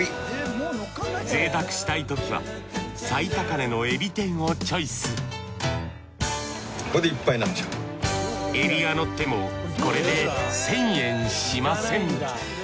ぜいたくしたいときは最高値のエビ天をチョイスエビがのってもこれで１，０００円しません。